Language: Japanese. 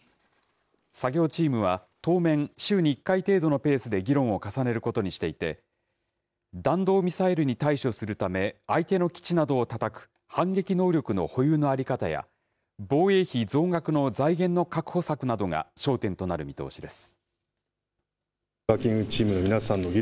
作業チームは当面、週に１回程度のペースで議論を重ねることにしていて、弾道ミサイルに対処するため、相手の基地などをたたく反撃能力の保有の在り方や、防衛費増額の財源の確保策などが焦点となる見通しです。